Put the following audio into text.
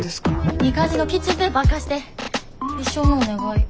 いい感じのキッチンペーパー貸して一生のお願い。